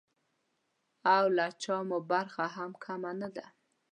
او له چا مو برخه هم کمه نه ده.